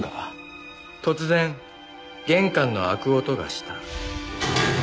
「突然玄関の開く音がした」